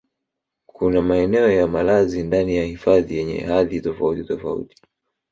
Kuna maeneo ya malazi ndani ya hifadhi yenye hadhi tofautitofauti